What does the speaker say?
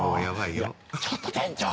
ちょっと店長。